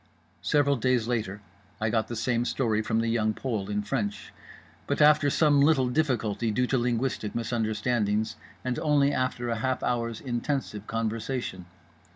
Several days later I got the same story from The Young Pole in French; but after some little difficulty due to linguistic misunderstandings, and only after a half hour's intensive conversation.